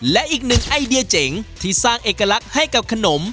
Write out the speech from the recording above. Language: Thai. และอีกหนึ่งไอเดียเจ๋งที่สร้างเอกลักษณ์ให้กับขนม